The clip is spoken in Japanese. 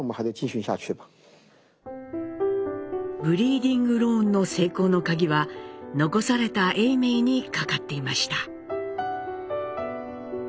ブリーディングローンの成功のカギは残された永明にかかっていました。